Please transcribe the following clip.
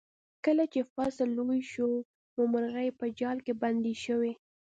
کله چې فصل لوی شو نو مرغۍ په جال کې بندې شوې.